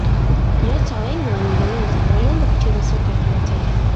nyota wengi wa uingereza walianza kucheza soka la kimataifa